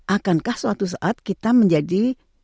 akankah suatu saat kita menjadi